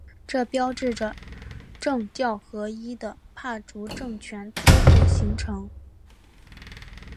这标志着政教合一的帕竹政权初步形成。